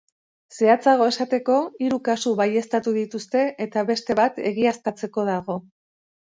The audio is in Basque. Zehatzago esateko, hiru kasu baieztatu dituzte, eta beste bat egiaztatzeko dago.